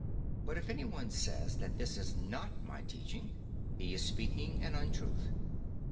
But if any one says that this is not my teaching, he is speaking an untruth.